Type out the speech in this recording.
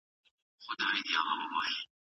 تاسو د علم په رڼا کي پرېکړه کړې وه.